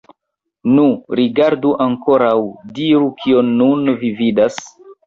Nu, rigardu ankoraŭ, diru, kion nun vi vidas?